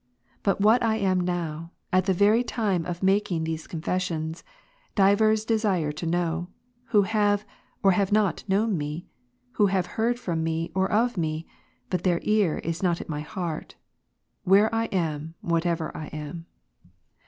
But what I now am, at the very time of making these confessions, divers desire to know, who have or have not known me, who have heard from me or of me ; but their ear is not at my heart, where I am, what ever I am.